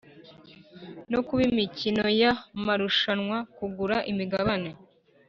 no kuba imikino yamarushanwa kugura imigabane